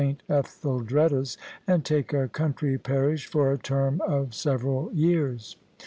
Etheldreda's, and take a country parish for a term of several years.